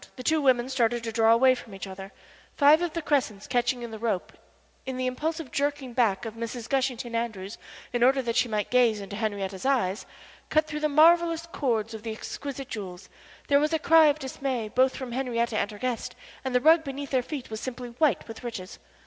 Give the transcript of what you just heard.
The two women started to draw away from each other; five of the crescents catching in the rope, in the impulsive jerking back of Mrs. Gushington Andrews in order that she might gaze into Henrietta's eyes, cut through the marvellous cords of the exquisite jewels. There was a cry of dismay both from Henriette and her guest, and the rug beneath their feet was simply white with riches.